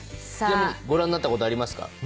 ご覧になったことありますか？